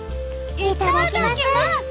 いただきます。